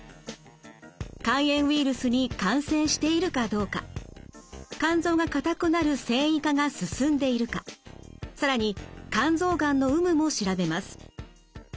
肝炎ウイルスに感染しているかどうか肝臓が硬くなる線維化が進んでいるか更に肝臓がんの有無も調べます。